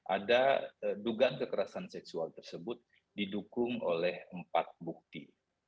ada dugaan kekerasan seksual tersebut didukung oleh empat bukti